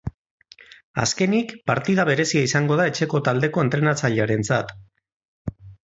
Azkenik, partida berezia izango da etxeko taldeko entrenatzailearentzat.